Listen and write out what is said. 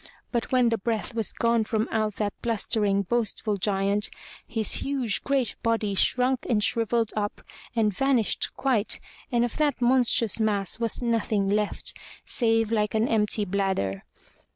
But when the breath was gone from out that blustering, boastful Giant, his huge great body shrunk and shriv elled up and vanished quite and of that monstrous mass was nothing left, save like an empty bladder.